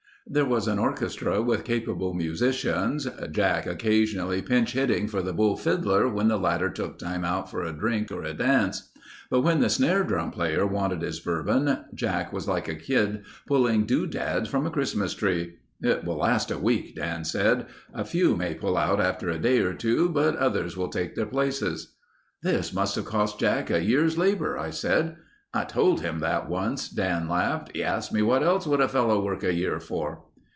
There was an orchestra with capable musicians, Jack occasionally pinch hitting for the bull fiddler when the latter took time out for a drink or a dance. But when the snare drum player wanted his bourbon, Jack was like a kid pulling doodads from a Christmas tree. "It will last a week," Dan said. "A few may pull out after a day or two, but others will take their places." "This must have cost Jack a year's labor," I said. "I told him that once," Dan laughed. "He asked me what else would a fellow work a year for."